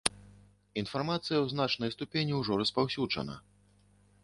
Інфармацыя ў значнай ступені ўжо распаўсюджана.